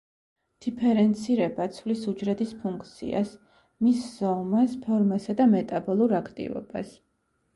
დიფერენცირება ცვლის უჯრედის ფუნქციას, მის ზომას, ფორმასა და მეტაბოლურ აქტივობას.